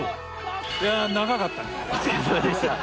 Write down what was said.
いや長かったね。